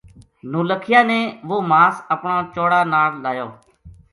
نو لکھیا نے وہ ماس اپنا چوڑا ناڑ لایو